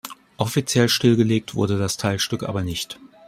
Offiziell stillgelegt wurde das Teilstück aber nicht.